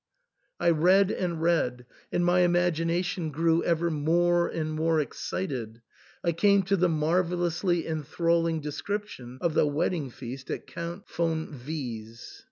I read and read, and my imagination grew ever more and more excited. I came to the marvellously enthralling de scription of the wedding feast at Count Von V 's.